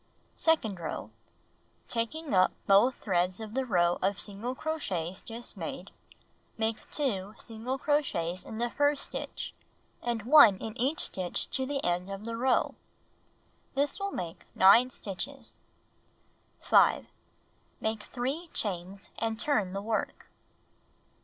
Second row: Taking up both threads of the row of single crochets just made, make 2 single crochets in the first stitch, and I in each stitch to the end of the row. This will make 9 stitches. 5. Make 3 chains, and turn the work.